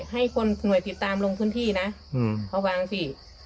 ให้คนหน่วยติดตามลงพื้นที่นะระวังสิ